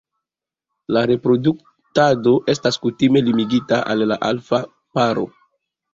La reproduktado estas kutime limigita al la alfa paro.